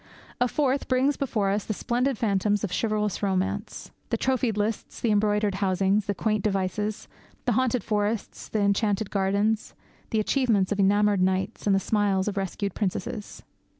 A fourth brings before us the splendid phantoms of chivalrous romance the trophied lists, the embroidered housings, the quaint devices, the haunted forests, the enchanted gardens, the achievements of enamoured knights, and the smiles of rescued princesses.'